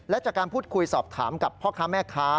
และจากการพูดคุยสอบถามกับพ่อค้าแม่ค้า